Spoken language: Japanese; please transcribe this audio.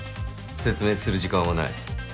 説明する時間はない。